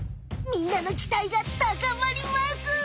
みんなのきたいがたかまります！